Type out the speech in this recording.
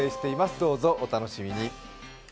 どうぞお楽しみに。